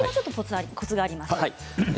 コツがあります。